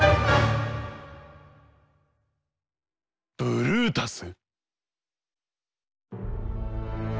ブルータス！